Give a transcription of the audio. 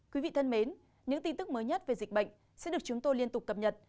quý vị thân mến những tin tức mới nhất về dịch bệnh sẽ được chúng tôi liên tục cập nhật